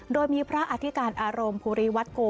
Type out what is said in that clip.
โดยมีพระอธิการอารมณ์ภูริวัตโก